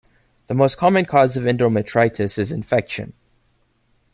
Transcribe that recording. The most common cause of endometritis is infection.